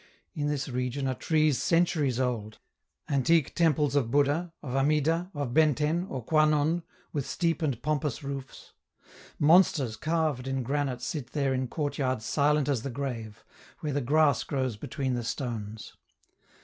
In this region are trees centuries old, antique temples of Buddha, of Amiddah, of Benten, or Kwanon, with steep and pompous roofs; monsters carved in granite sit there in courtyards silent as the grave, where the grass grows between the stones.